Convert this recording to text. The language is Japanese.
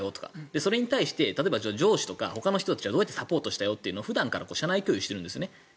それに対して上司とかはどうやってサポートしたよというのを普段から社内共有してるんですね。